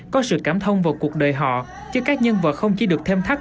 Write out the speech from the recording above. có sự cảm thông vào cuộc đời họ chứ các nhân vật không chỉ được thêm thắt